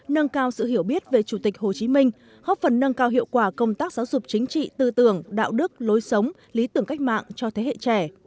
nâng cao sự hiểu biết về chủ tịch hồ chí minh góp phần nâng cao hiệu quả công tác giáo dục chính trị tư tưởng đạo đức lối sống lý tưởng cách mạng cho thế hệ trẻ